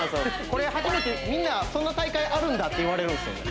これ初めてみんなそんな大会あるんだって言われるんですよね